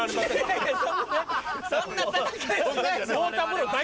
そんな戦いはないです